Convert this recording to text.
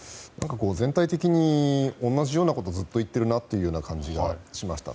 全体的に同じようなことをずっと言っているなという感じがしました。